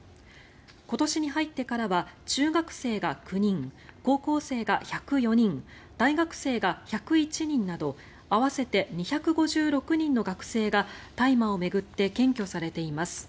今年に入ってからは中学生が９人高校生が１０４人大学生が１０１人など合わせて２５６人の学生が大麻を巡って検挙されています。